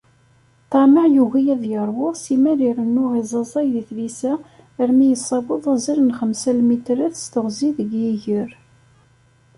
Ṭṭameε, yugi ad yeṛwu, simmal irennu iẓaẓay di tlisa armi yessaweḍ azal n xemsa lmitrat s teɣzi deg yiger.